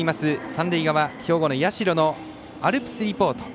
三塁側兵庫、社のアルプスリポート。